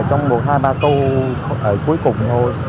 trong một hai ba câu cuối cùng thôi